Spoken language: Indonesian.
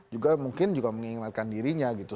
juga mungkin juga mengingatkan dirinya gitu